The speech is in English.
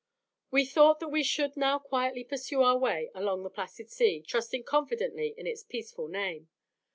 We thought that we should now quietly pursue our way upon the placid sea, trusting confidently in its peaceful name.